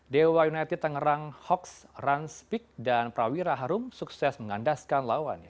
dewa united tangerang hoaks ranspik dan prawira harum sukses mengandaskan lawannya